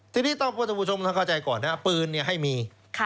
ทีนี้ต้องกว่าทุกผู้ชมเข้าใจก่อนนะครับปืนให้มี